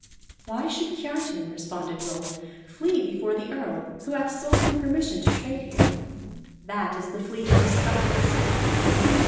"Why should Kiartan," responded Rolf, "flee before the Earl, who hath sold him permission to trade here? That is the fleet of the Scots!"